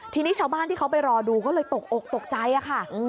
ทีนี้ชาวบ้านที่เขาไปรอดูก็เลยตกอกตกใจค่ะ